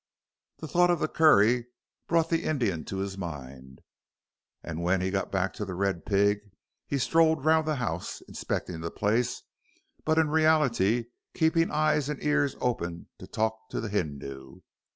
The thought of the curry brought the Indian to his mind, and when he got back to the Red Pig, he strolled round the house, inspecting the place, but in reality keeping eyes and ears open to talk to the Hindoo.